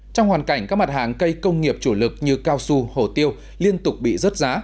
trong hoàn cảnh các mặt hàng cây công nghiệp chủ lực như cao su hồ tiêu liên tục bị rớt giá